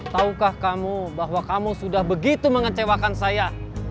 tahukah kamu bahwa kamu sudah begitu mengecewakan saya